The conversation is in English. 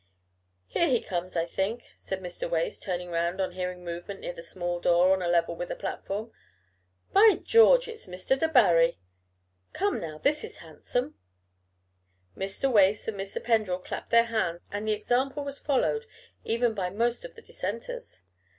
"Here he comes, I think," said Mr. Wace, turning round on hearing a movement near the small door on a level with the platform. "By George! it's Mr. Debarry. Come now, this is handsome." Mr. Wace and Mr. Pendrell clapped their hands, and the example was followed even by most of the Dissenters.